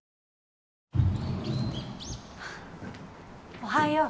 おはよう。